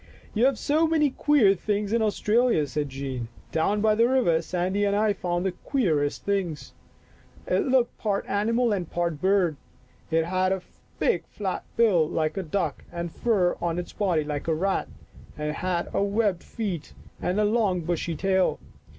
" You have so many queer things in Aus tralia," said Jean. " Down by the river Sandy and I found the queerest thing. It looked part animal and part bird. It had a big flat bill like a duck and fur on its body like a rat, and it had webbed feet and a long bushy tail.